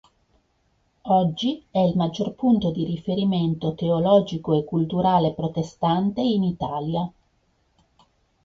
Oggi è il maggior punto di riferimento teologico e culturale protestante in Italia.